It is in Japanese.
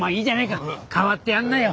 かわってやんなよ。